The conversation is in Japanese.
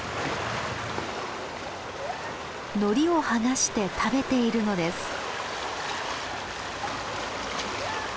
ノリを剥がして食べているのです。